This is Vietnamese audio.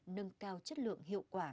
nâng cao chất lượng hiệu quả